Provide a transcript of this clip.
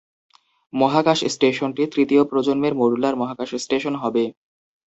মহাকাশ স্টেশনটি তৃতীয় প্রজন্মের মডুলার মহাকাশ স্টেশন হবে।